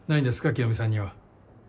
清美さんには。